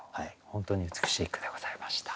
本当に美しい句でございました。